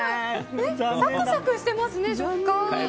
サクサクしてますね、食感。